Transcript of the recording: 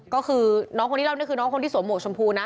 ก็คือน้องคนที่เล่านี่คือน้องคนที่สวมหวกชมพูนะ